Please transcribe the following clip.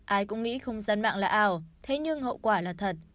ai cũng nghĩ không gian mạng là ảo thế nhưng hậu quả là thật